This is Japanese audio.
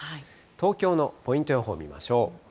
東京のポイント予報見ましょう。